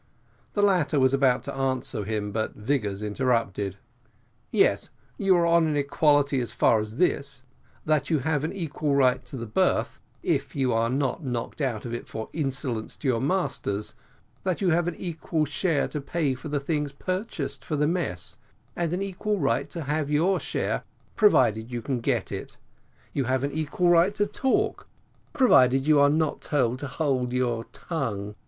The latter was about to answer him, but Vigors interrupted. "Yes, you are on an equality as far as this that you have an equal right to the berth, if you are not knocked out of it for insolence to your masters; that you have an equal share to pay for the things purchased for the mess, and an equal right to have your share, provided you can get it; you have an equal right to talk, provided you are not told to hold your tongue.